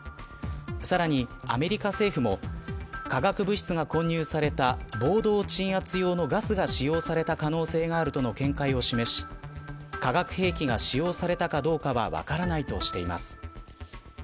さらにアメリカ政府も化学物質が混入された暴動鎮圧用のガスが使用された可能性があるとの見解を示し、化学兵器が使用されたかどうかは分からないとしています。